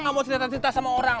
gak mau cerita cerita sama orang